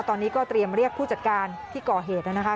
ตอนนี้ก็เตรียมเรียกผู้จัดการที่ก่อเหตุนะคะ